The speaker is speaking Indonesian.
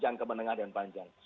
jangkauan kemenengah dan panjang